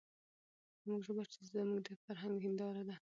زموږ ژبه چې زموږ د فرهنګ هېنداره ده،